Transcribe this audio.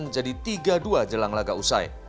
menjadi tiga dua jelang laga usai